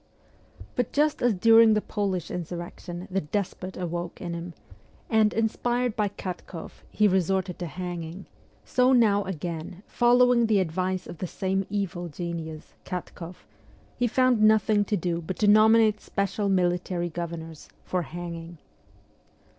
But just as during the Polish insurrection the despot awoke in him, and, inspired by Katkoff, he resorted to hanging, so now again, following the advice of the same evil genius, Katkoff, he found nothing to do but to nominate special military gover nors for hanging.